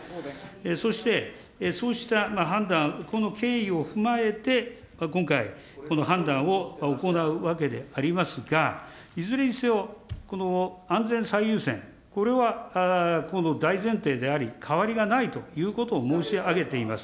そして、そうした判断、この経緯を踏まえて、今回、この判断を行うわけでありますが、いずれにせよ、この安全最優先、これは大前提であり、代わりがないということを申し上げています。